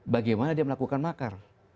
bagaimana dia melakukan makar